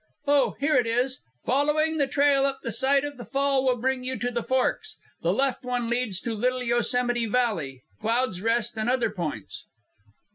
"Oh, here it is! 'Following the trail up the side of the fall will bring you to the forks. The left one leads to Little Yosemite Valley, Cloud's Rest, and other points.'"